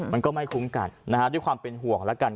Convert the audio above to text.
มันก็ไม่คุ้มกันนะฮะด้วยความเป็นห่วงแล้วกัน